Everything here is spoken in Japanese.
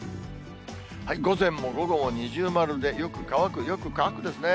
午前も午後も二重丸でよく乾く、よく乾くですね。